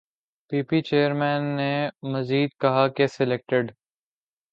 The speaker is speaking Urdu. پی پی چیئرمین نے مزید کہا کہ سلیکٹڈ